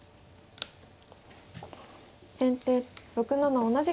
先手６七同じく金。